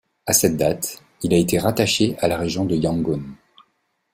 À cette date, il a été rattaché à la région de Yangon.